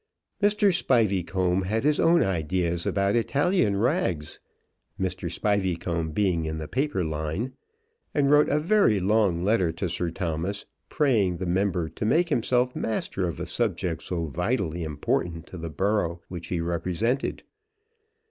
Mr. Spiveycomb had his own ideas about Italian rags, Mr. Spiveycomb being in the paper line, and wrote a very long letter to Sir Thomas, praying the member to make himself master of a subject so vitally important to the borough which he represented.